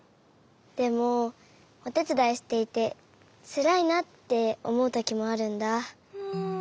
でもおてつだいしていてつらいなっておもうときもあるんだ。